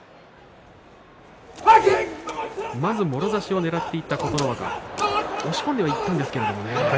まずもろ差しをねらっていった琴ノ若押し込んではいったんですけれどもね。